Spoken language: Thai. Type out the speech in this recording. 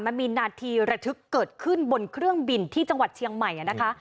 มันมีนาทีระทึกเกิดขึ้นบนเครื่องบินที่จังหวัดเชียงใหม่นะคะ